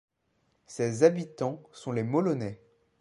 Ses habitants sont les Mollonais.